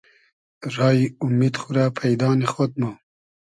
رایی اومید خو رۂ پݷدا نی خۉد مۉ